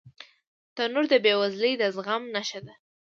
تنور د بې وزلۍ د زغم نښه ده